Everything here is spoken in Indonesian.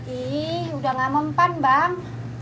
ini udah gak mempan bang